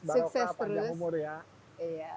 sukses terus barokah panjang umur ya